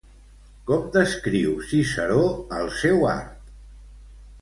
Com descriu Ciceró el seu art?